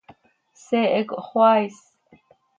Seehe cohxoaa is.